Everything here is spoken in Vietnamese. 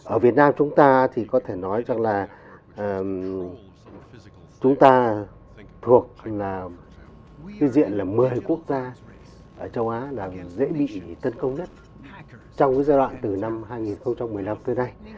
ở việt nam chúng ta thì có thể nói rằng là chúng ta thuộc là cái diện là một mươi quốc gia ở châu á là dễ bị tấn công nhất trong cái giai đoạn từ năm hai nghìn một mươi năm tới nay